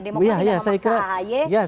demokrat tidak memaksa ahy